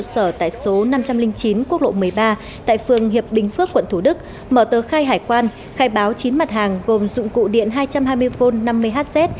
sở tại số năm trăm linh chín quốc lộ một mươi ba tại phường hiệp bình phước quận thủ đức mở tờ khai hải quan khai báo chín mặt hàng gồm dụng cụ điện hai trăm hai mươi v năm mươi hz